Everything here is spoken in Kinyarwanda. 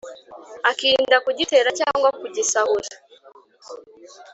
akirinda kugitera cyangwa kugisahura.